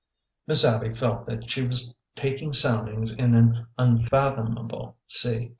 Miss Abby felt that she was taking soundings in an un H ORDER NO. 11 fathomable sea.